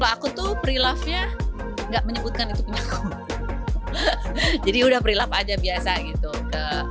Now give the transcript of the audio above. aku tuh prelove nya nggak menyebutkan itu penyakum jadi udah prelove aja biasa gitu ke